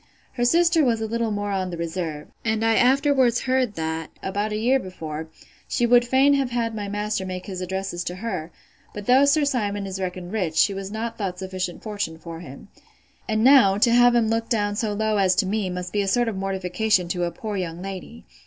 Her sister was a little more on the reserve; and I afterwards heard, that, about a year before, she would fain have had my master make his addresses to her: but though Sir Simon is reckoned rich, she was not thought sufficient fortune for him. And now, to have him look down so low as me, must be a sort of mortification to a poor young lady!